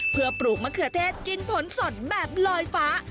เพื่อปลูกมะเขือเทศกินผลสดแบบลอยฟ้า